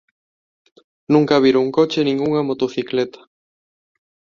nunca vira un coche nin unha motocicleta.